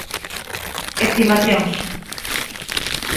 Estimacións.